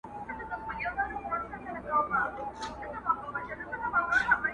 څوك به واچوي سندرو ته نومونه.!